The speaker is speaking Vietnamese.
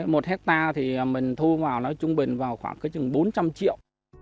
một hectare thì mình thu vào nó trung bình vào khoảng bốn trăm linh triệu